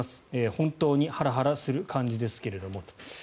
本当にハラハラする感じですけどもと。